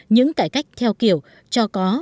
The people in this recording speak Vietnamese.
những cải cách theo kiểu cho có